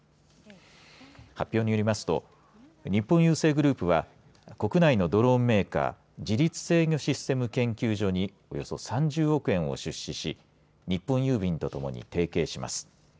発表によりますと日本郵政グループは国内のドローンメーカー自律制御システム研究所におよそ３０億円を出資し日本郵便とともに提携します。